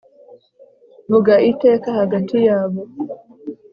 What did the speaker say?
Vuga iteka hagati yabo